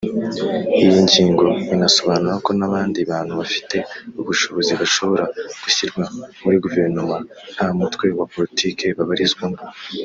Iyi ngingo inasobanura ko n’abandi bantu bafite ubushobozi bashobora gushyirwa muri Guverinoma nta mutwe wa politiki babarizwamo